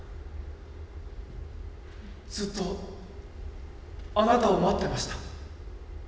ずっとあなたを待っていました。